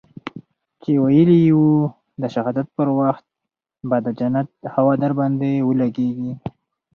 چې ويلي يې وو د شهادت پر وخت به د جنت هوا درباندې ولګېږي.